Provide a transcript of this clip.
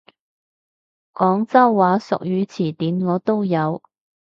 廣州話俗語詞典我都有！